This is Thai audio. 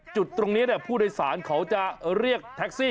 จุดตรงนี้ผู้โดยสารเขาจะเรียกแท็กซี่